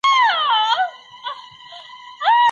تاسو باید په خپل موبایل کې د دوه پړاویز امنیت سیسټم فعال کړئ.